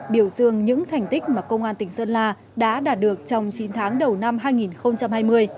biểu dương những thành tích mà công an tỉnh sơn la đã đạt được trong chín tháng đầu năm hai nghìn hai mươi